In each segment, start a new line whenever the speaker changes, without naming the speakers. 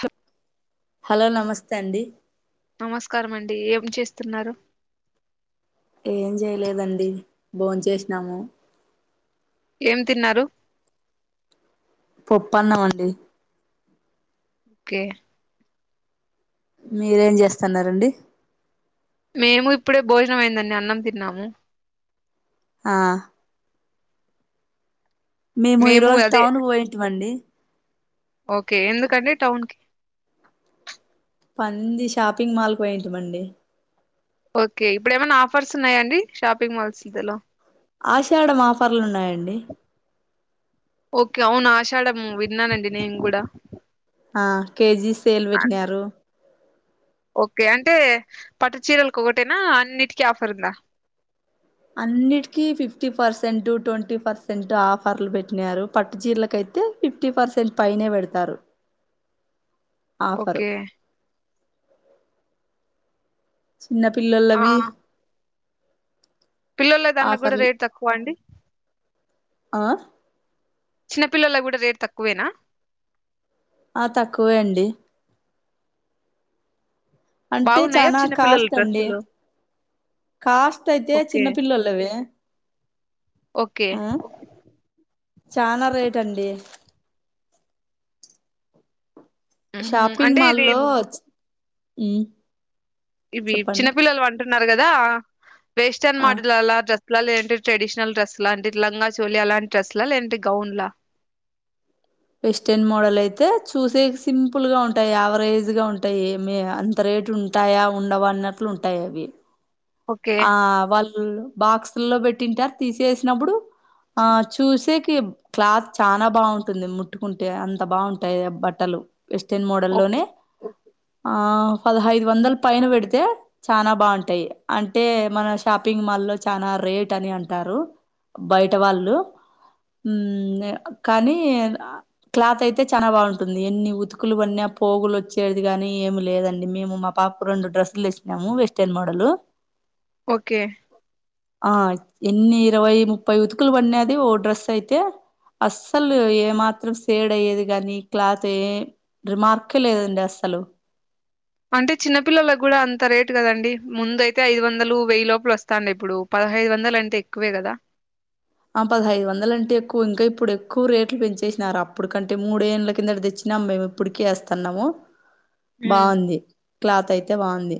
Hatf
hello నమస్తే అన్
నమస్కారం అండి ఏం చేస్తున్నారు
ఏం చేయలేదండి బోన్ చేస్నమ్
ఏం తిన్నారు
పొప్పన్నాం అండి
ఓకే
మీరేం చేస్తున్నరన్
మేము ఇప్పుడే భోజనం అయిందన్డి అన్నం తిన్నాము
ఆఁ మేము ఈ రోజు టౌన్ పోయింటిమండి
ఓకే ఎందుకండి టౌన్ కి
పంది షాపింగ్ మాల్ కు పోయింటిమండి
ఓకే ఇప్పుడు ఏమైనా ఆఫర్స్ ఉన్నయా అండి షాపింగ్ మాల్స్ దెలో
ఆషాడం ఆఫర్లు ఉన్నాయండి
ఓకే అవును ఆషాఢము విన్నానండి నేను గూడా
ఆ కేజీ సేలు వెట్నారు
ఓకే అంటే పెట్టు చీరలకు ఒకటేనా, అన్నిటికీ ఆఫర్ ఉందా?
అన్నిటికీ ఫిఫ్టీ పర్సెంట్ టొంటీ పర్సెంట్ ఆఫర్లు పెట్టినారు పట్టు చీరలకైతే ఫిఫ్టీ పర్సెంట్ పైనే పెడతారు ఆఫరు
ఓకే
చిన్న
ఆ
పిల్లలవి
పిల్లోల దాండ్లకు కూడ రేట్ తక్కువా అండి
ఆఁ
చిన్న పిల్లలకు కూడ రేట్ తక్కువేనా?
ఆ తక్కువే అండి అంటే
బాగున్నాయా
చాన
చిన్న పిల్లల
కాస్ట్ అండి
డ్రెస్సులు
కాస్ట్ అయితే
ఓకే
చిన్న పిల్లలు లవే
ఓకే
మ్ం చాన రేట్ అండి
మ్మ్
షాపింగ్
అంటే
మాల్
ఇది
లో మ్ం
ఇవి చిన్న పిల్లలివి అంటున్నరు కదా వేస్టర్న్
ఆ
మోడల్ అలా లలా లేదంటే ట్రెడిషనల్ డ్రెస్ లా అంటే ఇట్ల లంగా చోలి అలాంటి డ్రెస్ లా లేదంటే గౌన్లా
వెస్టర్న్ మోడల్ అయితే చూసే సింపుల్ గా ఉంటాయి యావరేజ్ గా ఉంటాయి ఏమి అంత రేటు ఉం టాయా ఉండవా అన్నట్లు ఉంటాయి అవి.
ఓకే
ఆఁ వాళ్ళు బాక్సుల్లో పెట్టింటారు తీసేసినప్పుడు ఆఁ చూసేకి క్లాత్ చాన బాగుంటుంది ముట్టుకుంటే అంత బాగుంటాయి బట్టలు. వెస్టెర్న్
ఓకే
మోడల్లోనే ఆఁ పదహైదు వందల పైన పెడితే చాన బాగుంటాయి అంటే మన షాపింగ్ మాల్ లో చాన రేట్ అని అంటారు బయట వాళ్ళు మ్మ్ఁ కానీ క్లాత్ అయితే చాన బాగుంటుంది ఎన్ని ఉతుకులు పడిన పోగులు వచ్చేది గాని, ఏమి లేదండి మేము మా పాప్కు రెండు డ్రెస్సులు తెచ్చినాము వెస్టెర్న్ మోడల్
ఓకే
ఆఁ ఎన్ని ఇరవై ముప్పై ఉతుకులు పడినాది ఓ డ్రెస్ అయితే అస్సలు ఏ మాత్రం సేడ్ అయ్యేది గాని క్లాత్ ఏ రిమార్కే లేదండి అస్సలు
అంటే చిన్న పిల్లలకి కూడ అంత రేటు కదండి. ముందు అయితే ఐదు వందలు వెయ్యి లోపల వస్ తాండే ఇప్పుడు పదహైదు వందల అంటే ఎక్కువే కదా!
ఆ పదహైదు వందలు అంటే ఎక్కువ ఇంక ఇప్పుడు ఎక్కువ రేట్లు పెంచేసినారు అప్పుడు కంటే మూడేండ్ల కిందట తెచ్చినాం మేము ఇప్పుడికి ఏస్తున్నాము
ఉమ్
బాగుంది క్లాత్ అయితే బాగుంది.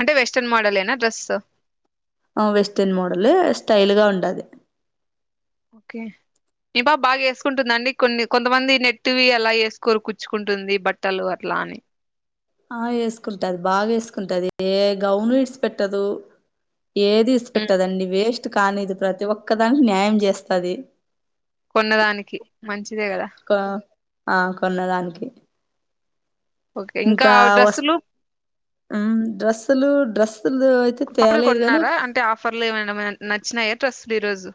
అంటే వెస్టర్న్ మోడల్ ఏనా డ్రెస్స్
ఆ వెస్టెర్న్ మోడల్ స్టైల్ గా ఉండాది
ఓకే ఈ పా బాగ ఏసుకుంటుంద అండి కొన్ని కొంతమంది నెట్టువి అలా ఏసుకోరు కుచ్చుకుంటుంది బట్టలు అట్లా అని.
ఆ ఏస్కుంటది బాగా ఏసుకుంటది ఏ గౌను ఇడ్సి పెట్టదు. ఏది ఇస్సి
ఉమ్
పెట్టదండి వేస్ట్ కానీ ఇది ప్రతి ఒక్కదాన్ని న్యాయం జేస్తది
కొన్నదానికి మంచిదే గదా
క అ కొన్నదాన్కి
ఓకే
ఇంకా వస్
డ్రెస్సులు
హ్మ్ డ్రస్సులు డ్రస్సులు
ఉత్తప్పుడు
తేలేదు గాని
కొన్నారా అంటే ఆఫర్లేమైనా మే నచ్చినయ డ్రస్ లు ఈరోజు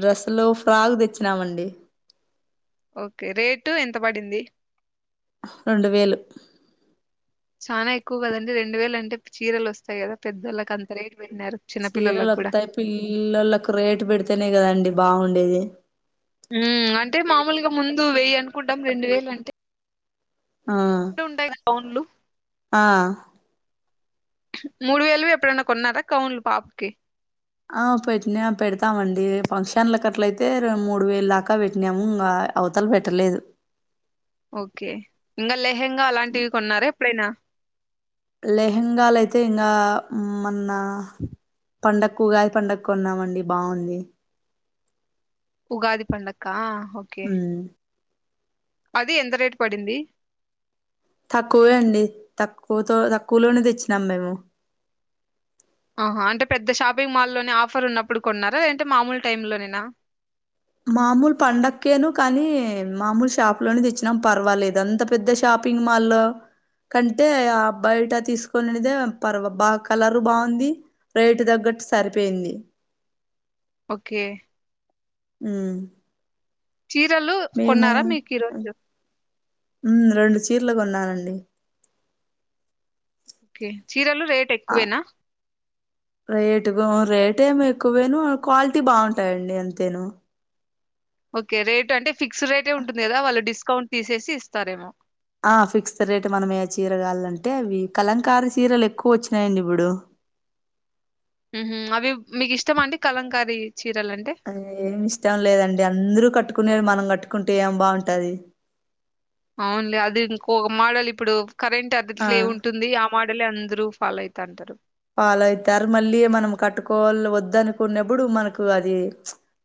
డ్రెస్సులో ఫ్రాగ్ దెచ్చినామండి.
ఓకే రేటు ఎంత బడింది
రొండు వేలు
చానా ఎక్కువ గదండి రెండువేలంటే చీరల్ ఒస్తాయ్ గదా పెద్దోళ్ళక్ అంత రేట్ వెట్నారు.
చీరల్ ఒత్తయ్ పిల్లలకు రేటు బెడ్తేనే గదండి బా ఉండేది
ఉం అంటే మామూల్గా ముందు వెయ్యి అనుకుంటాం రెండు వేల్ అంటే
ఆ
తు ఉంటాయ్ గ గౌన్లు
ఆ
మూడు వేలు ఎప్పుడైనా కొన్నారా కౌన్లు పాప్ కి
ఆ పెట్టినాం పెడతామండి ఫంక్షన్లకట్లైతే రెం మూడు వేల్ దాకా వెట్నాము ఇంగా అవతల్ వెట్టలేదు
ఓకే ఇంగా లెహెంగా అలాంటివి కొన్నారా ఎప్పుడైనా
లెహెంగాలైతే ఇంగా మన్నా పండక్కు ఉగాది పండక్కొన్నామండి బావుంది.
ఉగాది పండక్కా ఓకే.
మ్మ్
అది ఎంత రేట్ పడింది
తక్కువే అండి తక్కువతో తక్కువులోనే దెచ్చినాం మేము
ఆహా అంటే పెద్ద షాపింగ్ మాల్లోనే ఆఫర్ ఉన్నప్పుడు కొన్నారా, లేదంటే మామూల్ టైం లోనేనా.
మామూల్ పండక్కేను కానీ మామూల్ షాప్లోనే దెచ్చినాం పర్వాలేద్ అంత పెద్ద షాపింగ్ మాల్లో కంటే ఆ బాయట తీసుకొనినేదే పర్వ బా కలరు బా ఉంది రేటు దగ్గట్ సరిపోయింది.
ఓకే
ఉం
చీరలు కొన్నారా మీక్ ఈరోజు
హ్మ్ రెండు చీర్లు గొన్నానండి.
ఓకే చీరలు రేట్ ఎక్కువేనా.
రేటుగా రేట్ ఏం ఎక్కువేను క్వాల్టీ బా ఉంటాయండి అంతేను.
ఓకే రేటు అంటే ఫిక్స్డ్ రేటే ఉంటుంది గదా వాళ్ళు డిస్కౌంట్ తీసేసి ఇస్తారేమో
ఆ ఫిక్స్ రేటు మనమే చీరల్ గాలంటే అవి కలంకారి చీరల్ ఎక్కువొచ్చినాయండి ఇబుడు
అవి మీకిష్టమా అండి కలంకారీ చీరలంటే
ఏమ్ ఇష్టం లేదండి. అందరు కట్టుకునేవి మనం గట్టుకుంటే ఏం బావుంటది.
అవున్లే అది ఇంకొక మోడల్ ఇప్పుడు కరెంట్
ఆ
అదిట్లే ఉంటుంది ఆ మోడలే అందరు ఫాలో ఐతా అంటరు.
ఫాలో అయితారు మళ్ళీ మనం కట్టుకోవాల్ వద్ద అనుకున్నప్పుడు మనకు అది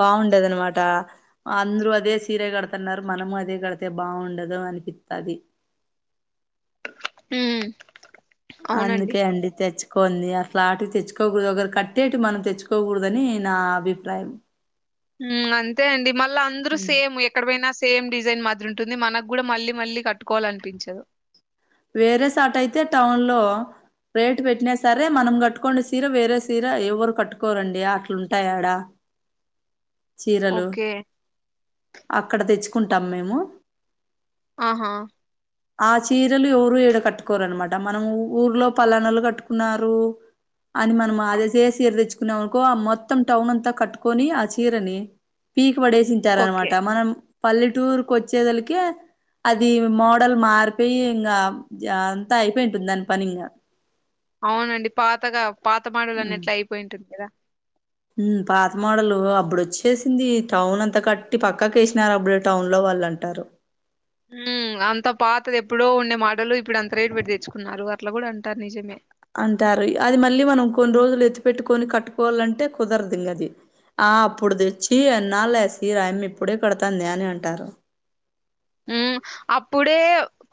బా ఉండదన్మాటా అందరూ అదే సీరే గడుతన్నారు. మనము అదే గడితే బావుండదు అనిపిత్తాది.
ఉ
అందుకే అండి తెచ్ కొంది. అట్లాంటివి తెచ్చుకోకూడదు ఒకరు కట్టేటివి మనం తెచ్చుకోకూడదని నా అభిప్రాయం.
హ్మ్ అంతే అండి మళ్ళా అందరు సేమ్ ఎక్ క్కడ పోయినా సేమ్ డిజైన్ మాదిరి ఉంటుంది. మనకు కూడా మళ్ళీ మళ్ళీ కట్టుకోవాలి అనిపించదు.
వేరే సాట అయితే టౌన్ లో రేటు పెట్టినా సరే మనం కట్టుకోండె సీర వేరే సీర ఎవరు కట్టుకోరండి అట్లుంటాయాడా. చీరలు
ఓకే.
అక్కడ తెచ్చుకుంటాం మేము.
ఆహా
ఆచీర్ రలు ఎవరు ఈడ కట్టుకోరనమాట మనం ఊర్లో పలానోళ్ళు కట్టుకున్నారు అని మనం అదే సే సీర తెచ్చుకున్నాం అనుకో మొత్తం టౌన్ అంతా కట్టుకొని ఆ చీరని పీక్
ఓకే.
పడేసింటారనమాట మనం పల్లెటూర్కి వచ్చేదలకి అది మోడల్ మారిపోయి ఇంగ్ గ జ అంతా అయిపోయింటుంది దాని పనింగా
అవునండి పాతగా పాత మాడల్ అన్నట్లు అయిపోయింటుంది కదా
ఊ పాత మోడలు అప్పుడు వచ్చేసింది టౌన్ అంతా కట్టి పక్కకేసినారు అప్పుడు టౌన్ లో వాళ్ళు అంటారు
ఊ అంత పాతది ఎప్పుడో ఉండే మాడలు ఇప్పుడు అంత రేటు పెట్టి తెచ్చుకున్నారు అట్ల కూడా అంటారు నిజమే.
అంటారు. అది మళ్ళీ మనం కొన్ని రోజులు ఎత్తి పెట్టుకొని కట్టుకోవాలంటే కుదరదు ఇంగా అది. ఆ అప్పుడు తెచ్చి ఎన్నాళ్ళయ్యా సీర ఆయమ్మ ఇప్పుడే కడతాంది అని అంటారు
ఊ అప్పుడే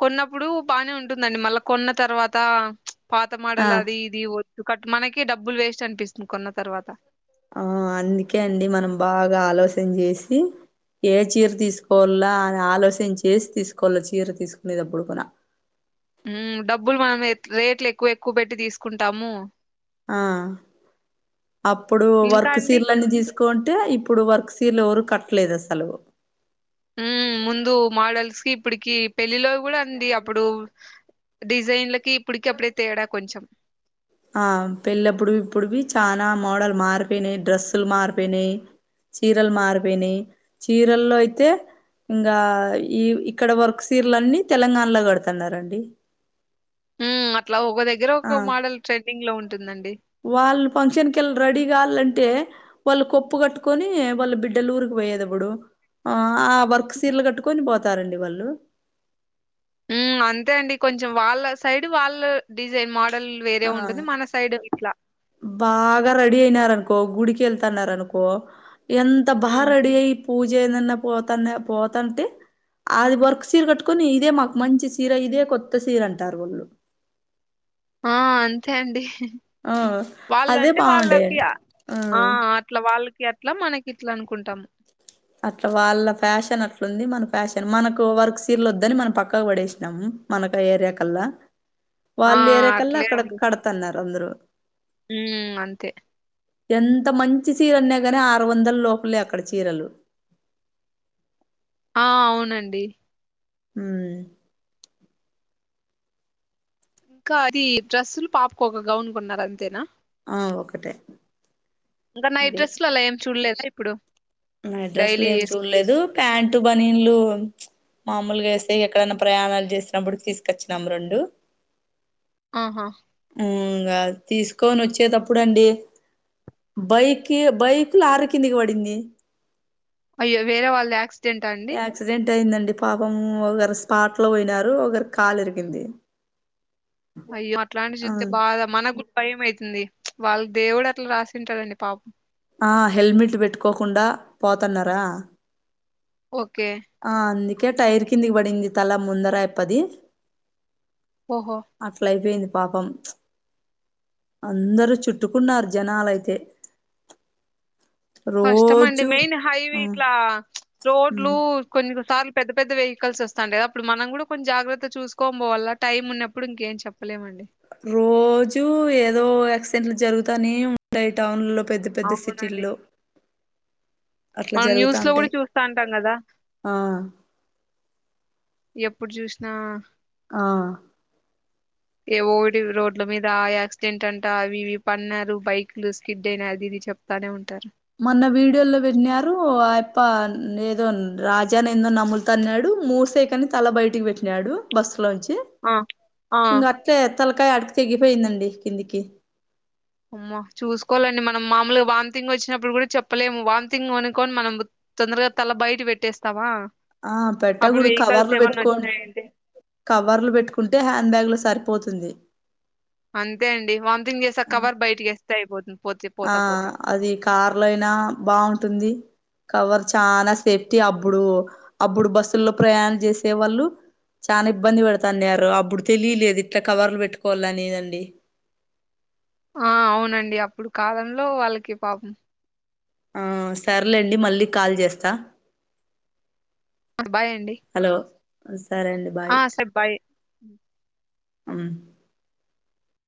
కొన్నప్పుడు బానే ఉంటుందండి మళ్ళా కొన్న తర్వాత పాత
ఆ
మాడల్ అది ఇది వద్దు కట్ మనకే డబ్బులు వేస్ట్ అనిపిస్తుంది కొన్న తర్వాత
ఆ అందుకే అండి మనం బాగా ఆలోచన్ జేసి ఏ చీర తీసుకోవాల్లా అని ఆలోచన చేసి తీసుకోవాల చీర తీసుకునేటప్పుడు కూడా
ఊ డబ్బులు మనము రేట్లు ఎక్కువ ఎక్కువ పెట్టి తీసుకుంటాము
ఆ అప్పుడు
ఇంకా
వర్క్
అండి
సీరలన్నీ తీసు కుంటే ఇప్పుడు వర్క్ సీరలు ఎవరు కట్టలేదు అసలు.
ఊ ముందు మోడల్స్ కి ఇప్పడికి పెళ్ళిలో కూడా అండి అప్పుడు డిజైన్లకి ఇప్పటికి అప్పుడే తేడా కొంచెం.
ఆ పెళ్లప్పుడు ఇప్పుడువి చానా మోడల్ మారిపోయినయి, డ్రెస్సులు మారిపోయినయి. చీరలు మారిపోయినయి. చీరల్లో అయితే ఇంగా ఈ ఇక్కడ వర్క్ సీర్లన్నీ తెలంగాణలో కడతన్నారండి
ఊ అట్లా ఒగో దగ్గర
ఆ
ఒకో మోడల్ ట్రెండింగ్ లో ఉంటుందండి.
వాళ్ళు ఫంక్షన్ కెళ్ళి రెడీ కావాలంటే వాళ్ళు కొప్పు కట్టుకొని వాళ్ళ బిడ్డల ఊరికి పోయేదప్పుడు ఆ ఆ వర్క్ సీరలు కట్టుకొని పోతారండి వాళ్ళు.
ఊ అంతే అండి కొంచెం వాళ్ళ సైడ్ వాళ్ళ డిజైన్ మోడల్ వేరే
ఆ
ఉంటుంది. మన సై సైడ్ ఇట్లా.
బాగా రెడీ అయినారనుకో గుడికెళ్తన్నారు అనుకో ఎంత బా
హ్మ్
రెడీ అయి పూజెందన్నా పోతన్న పోతంటే అది వర్క్ సీర కట్టుకొని ఇదే మాకు మంచి సీర, ఇదే కొత్త సీర అంటారు వాళ్ళు.
ఆ అంతే అండి
ఆ అదే
వాళ్ళంటే
బాగుండే
వాళ్ళకి ఆ అట్ ట్లా వాళ్ళకి అట్లా మనకి ఇట్లా అనుకుంటాము.
అట్లా వాళ్ళ ఫ్యాషన్ అట్లుంది. మన ఫ్యాషన్ మనకు వర్క్ సీరలు వద్దని మనం పక్కకు పడేసినాం. మనక ఏరియా కల్లా
ఆ!
వాల్లేరియా కల్లా
అట్లే
అక్కడ కడతన్నారు అందరూ
ఉమ్ అంతే
ఎంత మంచి చీరన్నా గని ఆరు వందల్లోపలే అక్కడ చీరలు
ఆ అవునండి
హ్మ్
ఇంక అది డ్రస్సులు పాపకు ఒక గౌన్ కొన్నారంతేనా
ఆ ఒకటే
ఇంక నైట్ డ్రెస్లు అలా ఏం చూడలేదా ఇప్పుడు
నైట్ డ్రస్లు
డైలీ
ఏం
ఏస్
చూడలేదు ప్యాంటు, బనీన్లు మామూలుగేస్తే ఎక్కడైన ప్రయాణాలు చేసినప్పుడుకి తీసుకొచ్చినము రెండు
ఆహా
ఉమ్ ఇంగా తీసుకోని వచ్చేటప్పుడండి బైకి బైకు లారీ కిందికి పడింది
అయ్యో వేరే వాళ్ళద్ యాక్సిడెంట అండి
క్సిడెంట్ అయిందండి పాపం ఒకరు స్పాట్ లో పోయినారు ఒకరికి క్కాలిరిగింది
అయ్యో అట్లాంటియి చూస్తే బాధ మనకు భయం అయితుంది వాళ్ళ దేవుడు అట్ల రాసింటాడండి పాపం
ఆ హెల్మెట్ పెట్టుకోకుండా పోతన్నరా
ఓకే
ఆ అందుకే టైర్ కిందికి పడింది తల ముందర అయప్పది
ఓహో
అట్లయిపోయింది పాపం అందరు చుట్టుకున్నారు జనాలైతే
కష్టం అండి
రోజు
మెయిన్ హైవే
ఆ
ఇట్లా రోడ్లు కొన్ని కొసార్లు పెద్ద పెద్ద వెహికల్స్ వస్తాంటాయి కదాప్పుడు మనం కూడా కొన్ని జాగ్రత్త చూసుకొన్ పోవాలా టైం ఉన్నప్పుడు ఇంకేం చెప్ ప్పలేమండి
రోజూ ఏదోక యాక్సిడెంట్లు జరుగుతానే ఉంటాయి టౌన్ ల్లో పెద్ద పెద్ద
అవునండి
సిటీల్లో అట్లా
మనం
జరుగుతా
న్యూస్ లో కూడ
ఉంటాయి
చూస్తాంటాం కదా
ఆ
ఎప్పుడు చూసినా
ఆ
ఏ ఓకటి రోడ్ల మీద ఆ యాక్సిడెంట్ అంట అవి ఇవి పన్నారు బైక్లు స్కిడ్ అయిన అదీ ఇది చెప్ తనే ఉంటారు
మొన్న వీడియో లో పెట్టినారు అయప్ప ఏదో రాజనేనెందో నములుతాన్నాడు మూసేక్ కని తల బయటికి పెట్టినాడు బస్సులోంచి
అ ఆ
తె తలకాయ ఆడికి తెగిపోయిందండి కిందికి
అమ్మా చూసుకోవాలండి మనం మామూలుగా వామ్తింగ్ వచ్చినప్పుడు కూడ చెప్పలేము వామిథింగ్ అనుకొని మనం ఉత్ తొందరగ తల బయట పెట్టేస్తావా
ఆ పెట్టగూడుదు కవర్లు పెట్టుకోన్
వచ్చినాయంటే
కవర్లు పెట్టుకుంటే హ్యాండ్ బ్యాగ్ల సరిపోతుంది
అంతే అండి వాంతింగ్ చేసి ఆ కవర్ బయటికేస్ తె అయిపోతుంది పోతేప్
ఆ అది కార్ లయినా బావుంటుంది కవర్ చానా సేఫ్టీ అబ్బుడు అబ్బుడు బస్సుల్లో ప్రయాణం చేసే వాళ్ళు చానా ఇబ్బంది పడతాన్నారు అప్పుడు తెలియలేదు ఇట్లా కవర్లు పెట్టుకోవాలని అండి
ఆ అవునండి అప్పుడు కాలంలో వాళ్ళకి పాపం
ఆ సర్లేండి మళ్ళీ కాల్ చేస్తా
బాయ్ అండి.
హలో సరే అండి బాయ్
ఆ! సరే బాయ్.
అం